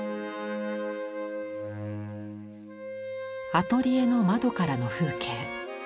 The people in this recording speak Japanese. アトリエの窓からの風景。